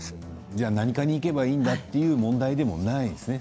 じゃあ何科に行けばいいんだっていう問題じゃないですね。